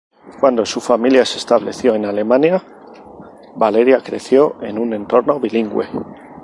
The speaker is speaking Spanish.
Cuando su familia se estableció en Alemania, Valeria creció en un entorno bilingüe.